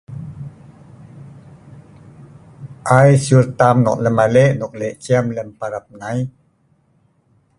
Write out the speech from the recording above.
Ai suel tam nok lemale' nok le' cinema lem parap nei?